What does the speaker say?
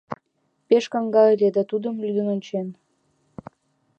Пеш каҥга ыле, да тудым лӱдын ончен.